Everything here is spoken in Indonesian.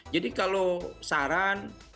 jadi kalau saran